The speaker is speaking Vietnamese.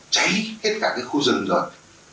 cháy hết cả cái khu rừng rồi